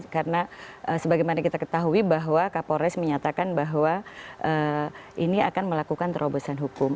karena sebagaimana kita ketahui bahwa kak polres menyatakan bahwa ini akan melakukan terobosan hukum